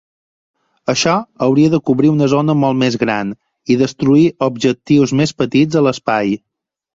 Això hauria de cobrir una zona molt més gran i destruir objectius més petits a l"espai.